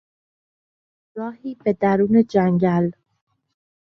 راهی به درون جنگل